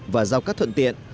và giao cắt thuận tiện